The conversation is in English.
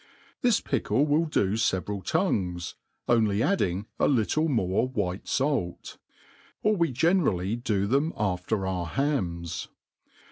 This pickle will do feveral tongues, only adding a Kttie more white fait $ or we generaHy do them after our hams.